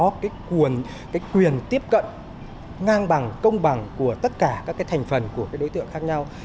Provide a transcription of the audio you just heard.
nó phải có quyền tiếp cận ngang bằng công bằng của tất cả các thành phần của đối tượng khác nhau